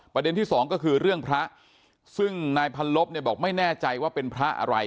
ที่สองก็คือเรื่องพระซึ่งนายพันลบเนี่ยบอกไม่แน่ใจว่าเป็นพระอะไร